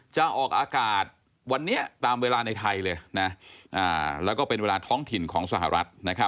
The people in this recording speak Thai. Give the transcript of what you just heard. จะออกอากาศที่สู่เวลาในไทยและวันนี้เหมือนกันเป็นรายการท้องถิ่นของสหรัฐ